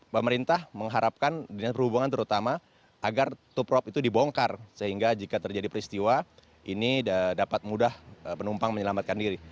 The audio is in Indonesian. pemerintah mengharapkan dinas perhubungan terutama agar top rob itu dibongkar sehingga jika terjadi peristiwa ini dapat mudah penumpang menyelamatkan diri